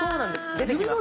出てきます。